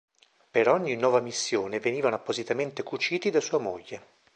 Per ogni nuova missione venivano appositamente cuciti da sua moglie.